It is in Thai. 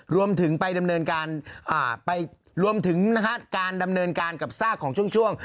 รวมถึงการดำเนินการกับซากของช่วง